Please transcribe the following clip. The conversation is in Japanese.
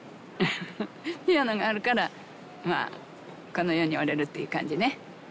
ピアノがあるからまあこの世におれるっていう感じね。